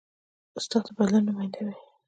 استاد د بدلون نماینده وي.